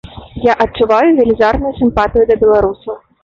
Я адчуваю велізарную сімпатыю да беларусаў.